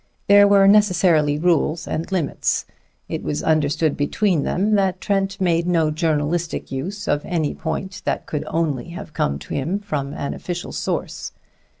There were necessarily rules and limits. It was understood between them that Trent made no journalistic use of any point that could only have come to him from an official source.